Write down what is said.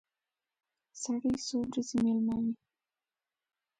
سړی څو ورځې مېلمه وي.